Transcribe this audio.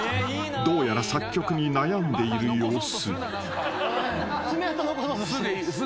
どうやら作曲に悩んでいる様子］